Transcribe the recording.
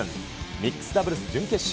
ミックスダブルス準決勝。